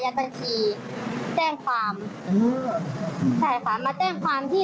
ตั้งแต่วันแรกที่โอนไปเลย